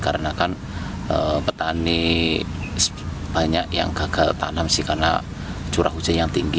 karena petani banyak yang gagal tanam karena curah hujan yang tinggi